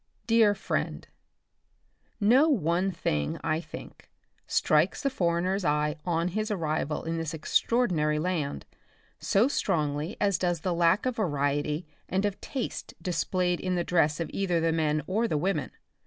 Dear Friend : No one thing, I think, strikes the foreigner's eye, on his arrival in this extra ordinary land so strongly as does the lack of variety and of taste displayed in the dress of either the men or the women.